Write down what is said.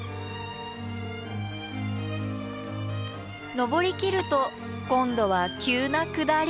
登りきると今度は急な下り。